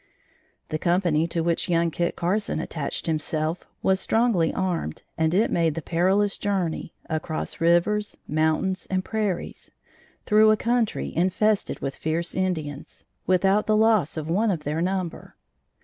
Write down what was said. The company to which young Kit Carson attached himself, was strongly armed and it made the perilous journey, across rivers, mountains and prairies, through a country infested with fierce Indians, without the loss of one of their number.